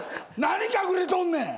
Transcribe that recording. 何隠れとんねん？